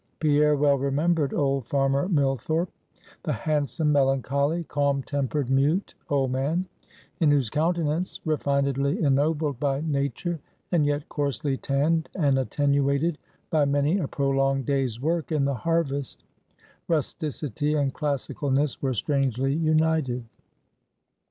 Pierre well remembered old farmer Millthorpe: the handsome, melancholy, calm tempered, mute, old man; in whose countenance refinedly ennobled by nature, and yet coarsely tanned and attenuated by many a prolonged day's work in the harvest rusticity and classicalness were strangely united.